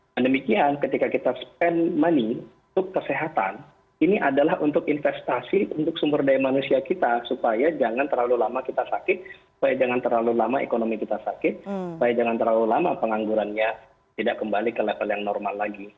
dan demikian ketika kita spend money untuk kesehatan ini adalah untuk investasi untuk sumber daya manusia kita supaya jangan terlalu lama kita sakit supaya jangan terlalu lama ekonomi kita sakit supaya jangan terlalu lama penganggurannya tidak kembali ke level yang normal lagi